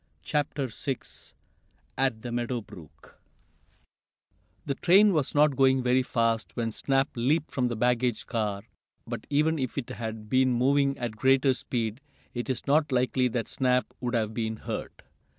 CHAPTER VI AT MEADOW BROOK The train was not going very fast when Snap leaped from the baggage car, but, even if it had been moving at greater speed, it is not likely that Snap would have been hurt.